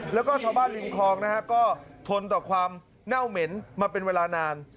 แล้วก็ชาวบ้านริมคลองนะฮะก็ทนต่อความเน่าเหม็นมาเป็นเวลานาน